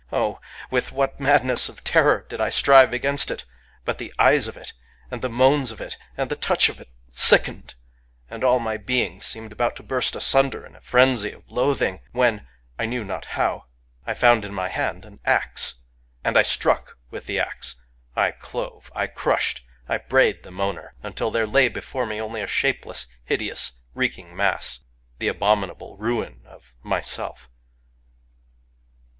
Oh ! with what madness of terror did I strive against it! But the eyes of it, and the moans of it, and the touch of it, sickened; and all my being seemed about to burst asunder in frenzy of loathing, when — I knew not how — Digitized by Googk THE EATER OF DREAMS 251 I found in my hand an axe. And I struck with the axe ;— I clove, I crushed, I brayed the Moaner, — until there lay before me only a shape less, hideous, reeking mass, — the abominable ruin of Myself.